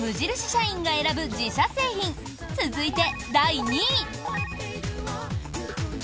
社員が選ぶ自社製品続いて、第２位。